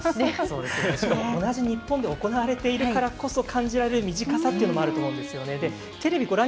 同じ日本で行われているからこその身近さというのもあると思うんですよね。